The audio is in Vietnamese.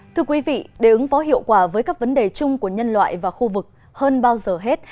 thưa quý vị để ứng phó hiệu quả với các vấn đề chung của nhân loại và khu vực hơn bao giờ hết